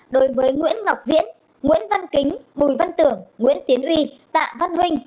đối với nguyễn ngọc viễn nguyễn văn kính bùi văn tưởng nguyễn tiến huy tạ văn huynh